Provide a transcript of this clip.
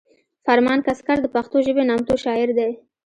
فرمان کسکر د پښتو ژبې نامتو شاعر دی